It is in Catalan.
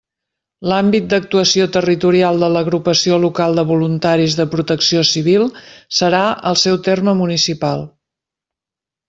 L'àmbit d'actuació territorial de l'Agrupació Local de Voluntaris de Protecció Civil serà el seu terme municipal.